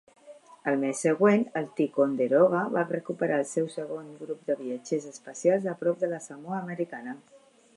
El mes següent, el "Ticonderoga" va recuperar el seu segon grup de viatgers espacials a prop de la Samoa Americana.